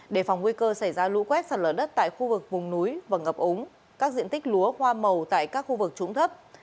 đề phòng nguy cơ xảy ra lũ quét sạt lở đất tại khu vực vùng núi và ngập ống các diện tích lúa hoa màu tại các khu vực trũng thấp